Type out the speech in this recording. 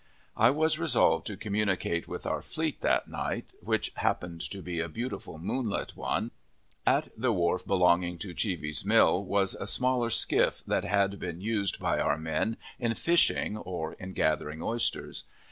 I was resolved to communicate with our fleet that night, which happened to be a beautiful moonlight one. At the wharf belonging to Cheeves's mill was a small skiff, that had been used by our men in fishing or in gathering oysters.